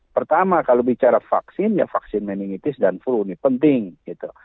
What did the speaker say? pertama kalau bicara vaksin ya vaksin meningitis dan flu ini penting gitu